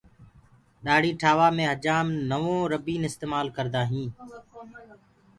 ڏآڙهي ٺآوآ مي هجآم نوَو ربيٚن استمآل ڪردآ هينٚ۔